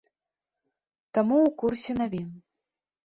Таму ў курсе навін.